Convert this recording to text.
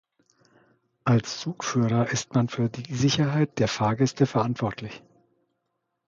Als Zugführer ist man für die Sicherheit der Fahrgäste verantwortlich.